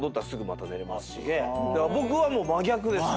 僕はもう真逆です。